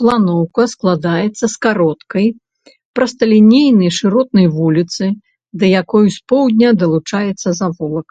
Планоўка складаецца з кароткай прасталінейнай шыротнай вуліцы, да якой з поўдня далучаецца завулак.